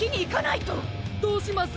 どうします？